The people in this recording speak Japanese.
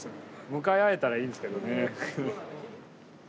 向かい合えたらいいんですけどね。